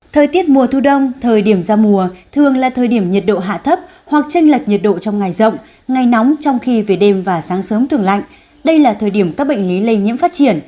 thời tiết mùa thu đông thời điểm ra mùa thường là thời điểm nhiệt độ hạ thấp hoặc tranh lệch nhiệt độ trong ngày rộng ngày nóng trong khi về đêm và sáng sớm thường lạnh đây là thời điểm các bệnh lý lây nhiễm phát triển